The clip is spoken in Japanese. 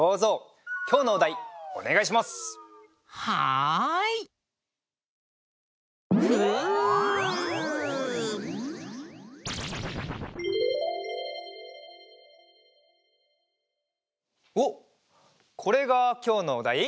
おっこれがきょうのおだい？